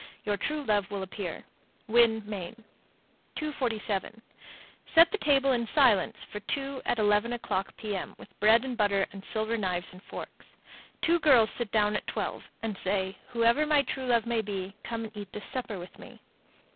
Your true love will appear. Winn, Me. 247. Set the table in silence for two at eleven o'clock P.M., with bread and butter and silver knives and forks. Two girls sit down at twelve, and say, "Whoever my true love may be, come and eat this supper with me."